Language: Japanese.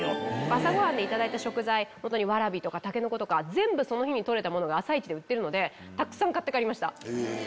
朝ごはんでいただいた食材わらびとかたけのことか全部その日に取れたものが朝市で売ってるのでたくさん買って帰りました。